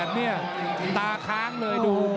โอ้โหโอ้โหโอ้โหโอ้โหโอ้โห